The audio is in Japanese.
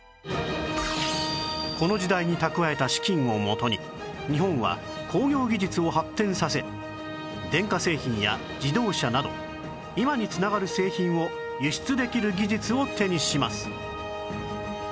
この時代に蓄えた資金を元に日本は工業技術を発展させ電化製品や自動車など今に繋がる製品を輸出できる技術を手にします